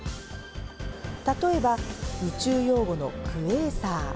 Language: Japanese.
例えば宇宙用語のクエーサー。